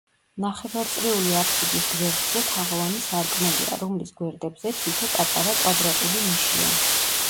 ნახევარწრიული აფსიდის გვერდზე თაღოვანი სარკმელია, რომლის გვერდებზე თითო პატარა კვადრატული ნიშია.